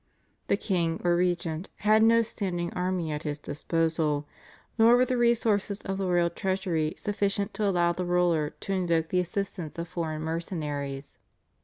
The king or regent had no standing army at his disposal, nor were the resources of the royal treasury sufficient to allow the ruler to invoke the assistance of foreign mercenaries.